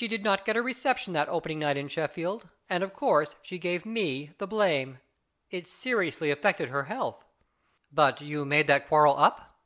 She did not get a reception that opening night at Sheffield, and, of course, she gave me the blame. It seriously affected her health." " But you made that quarrel up